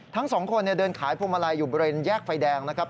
ทั้งสองคนเดินขายพวงมาลัยอยู่บริเวณแยกไฟแดงนะครับ